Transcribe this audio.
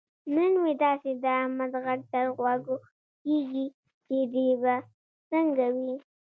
نن مې داسې د احمد غږ تر غوږو کېږي. چې دی به څنګه وي.